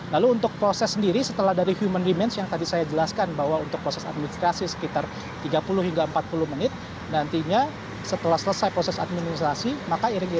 lalu untuk proses sendiri setelah dari human remains kita bisa lihat bahwa ini adalah proses yang cukup ketat karena ada satu ratus dua puluh personel di mana ada satu ratus dua puluh personel ini sendiri adalah lintas divisi baik itu dari pni dari polri lalu juga dari afset